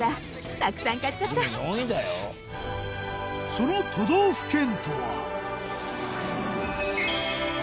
その都道府県とは。